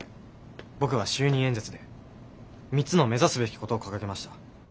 僕は就任演説で３つの目指すべきことを掲げました。